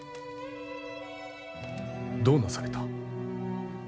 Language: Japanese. どうなされた。